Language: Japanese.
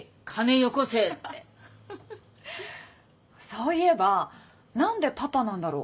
そういえば何で「パパ」なんだろ？